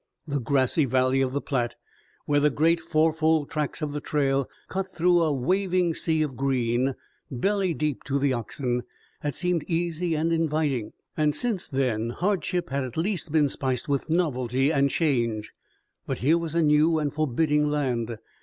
The grassy valley of the Platte, where the great fourfold tracks of the trail cut through a waving sea of green belly deep to the oxen, had seemed easy and inviting, and since then hardship had at least been spiced with novelty and change. But here was a new and forbidding land.